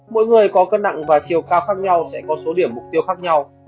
mỗi người có cân nặng và chiều cao khác nhau sẽ có số điểm mục tiêu khác nhau